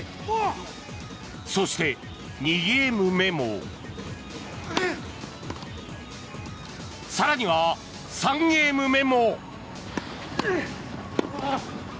そして、２ゲーム目も更には、３ゲーム目も。